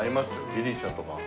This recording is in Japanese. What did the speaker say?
ギリシャとか。